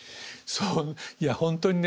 いや本当にね